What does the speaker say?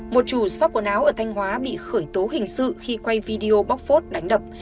một chủ shop quần áo ở thanh hóa bị khởi tố hình sự khi quay video bóc phốt đánh đập